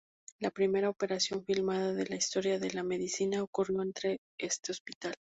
La primera operación filmada de la historia de la medicina, ocurrió en este hospital.